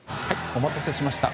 お待たせしました。